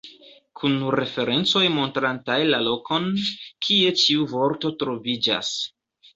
Kun referencoj montrantaj la lokon, kie ĉiu vorto troviĝas.